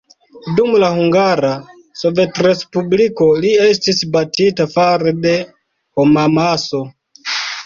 Dum la Hungara Sovetrespubliko li estis batita fare de homamaso.